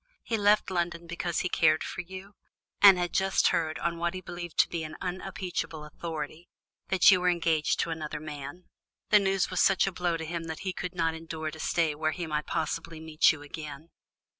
He left London because he cared for you, and had just heard, on what he believed to be unimpeachable authority, that you were engaged to another man. The news was such a blow to him that he could not endure to stay where he might possibly meet you again."